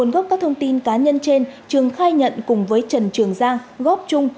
góp các thông tin cá nhân trên trường khai nhận cùng với trần trường giang góp chung